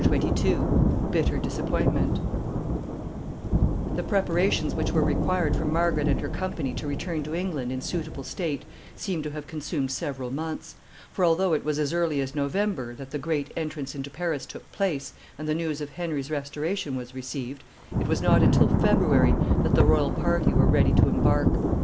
] The preparations which were required for Margaret and her company to return to England in suitable state seem to have consumed several months; for, although it was as early as November that the great entrance into Paris took place, and the news of Henry's restoration was received, it was not until February that the royal party were ready to embark.